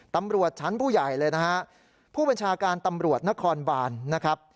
ตำรวจชั้นผู้ใหญ่เลยนะฮะผู้บัญชาการตำรวจนครบานนะครับ